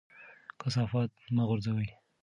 کثافات مه غورځوئ.